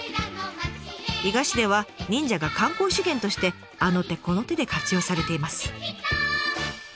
伊賀市では忍者が観光資源としてあの手この手で活用されています。